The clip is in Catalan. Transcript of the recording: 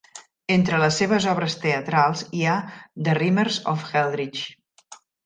Entre les seves obres teatrals hi ha "The Rimers of Eldritch".